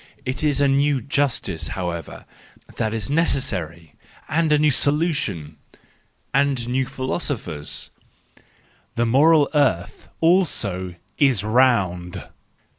It is a new justice, however, that is necessary! And a new solution! And new philosophers! The moral earth also is round!